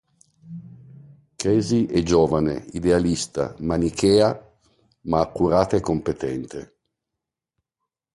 Casey è giovane, idealista, manichea, ma accurata e competente.